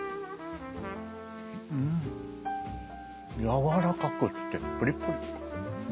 んやわらかくってプリプリ。